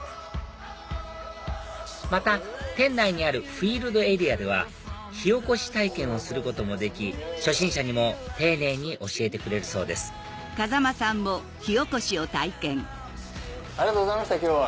また店内にあるフィールドエリアでは火おこし体験をすることもでき初心者にも丁寧に教えてくれるそうですありがとうございました今日は。